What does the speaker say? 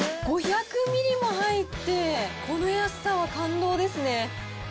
５００ミリも入ってこの安さは感動ですね。